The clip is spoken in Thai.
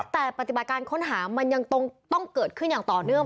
แต่ปฏิบัติการค้นหามันยังต้องเกิดขึ้นอย่างต่อเนื่อง